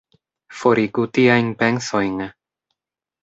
Forigu tiajn pensojn!